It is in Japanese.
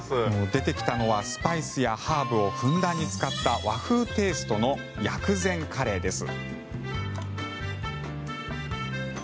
出てきたのはスパイスやハーブをふんだんに使った和風テイストの薬膳カレーです。